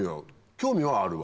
興味はあるわ。